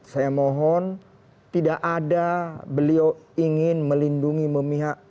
saya mohon tidak ada beliau ingin melindungi memihak